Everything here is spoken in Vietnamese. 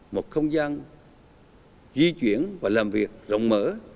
một không gian di chuyển và làm việc rộng mở